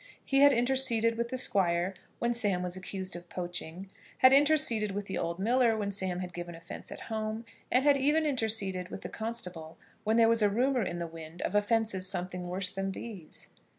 He had interceded with the Squire when Sam was accused of poaching, had interceded with the old miller when Sam had given offence at home, and had even interceded with the constable when there was a rumour in the wind of offences something worse than these.